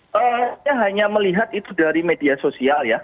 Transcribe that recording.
saya hanya melihat itu dari media sosial ya